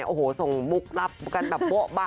โอ้โหส่งมุกรับกันแบบโบ๊ะบะ